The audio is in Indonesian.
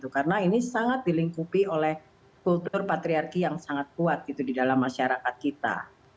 karena ini sangat dilingkupi oleh kultur patriarki yang sangat kuat di dalam masyarakat kita